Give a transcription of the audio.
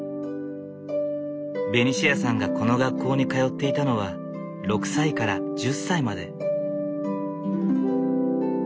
ベニシアさんがこの学校に通っていたのは６歳から１０歳まで。